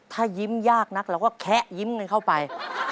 ถ้ายิ้มยากนักเราก็แคะยิ้มกันเข้าไป